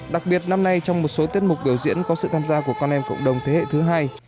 đặc biệt năm nay trong một số tiết mục biểu diễn có sự tham gia của con em cộng đồng thế hệ thứ hai